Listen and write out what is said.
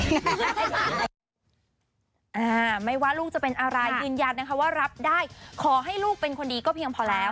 แม่ไม่ว่าลูกจะเป็นอะไรยืนยันนะคะว่ารับได้ขอให้ลูกเป็นคนดีก็เพียงพอแล้ว